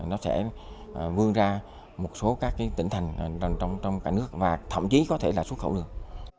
nó sẽ vươn ra một số các tỉnh thành trong cả nước và thậm chí có thể là xuất khẩu được